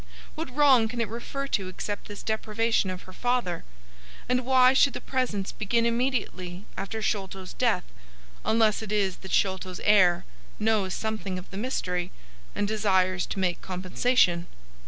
What wrong can it refer to except this deprivation of her father? And why should the presents begin immediately after Sholto's death, unless it is that Sholto's heir knows something of the mystery and desires to make compensation?